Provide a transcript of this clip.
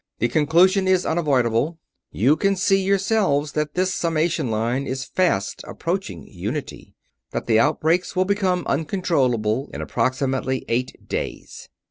The conclusion is unavoidable you can see yourselves that this summation line is fast approaching unity that the outbreaks will become uncontrollable in approximately eight days.